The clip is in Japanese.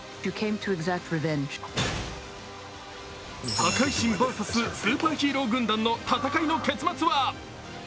破壊神ｖｓスーパーヒーロー軍団の戦いの結末は？